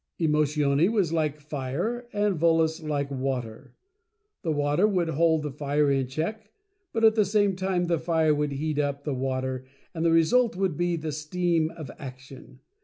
Emotione was like Fire, and Volos like Water. The Water would hold the Fire in check, but at the same time the Fire would heat up the Water and the result would be the Steam of Action.